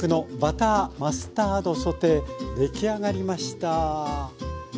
出来上がりました。